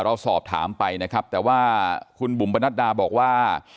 เราสอบถามไปนะครับแต่ว่าคุณบุ๋มประนัดดาบอกว่า